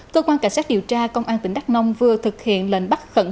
cơ quan cảnh sát điều tra công an tỉnh đắk nông vừa thực hiện lệnh bắt khẩn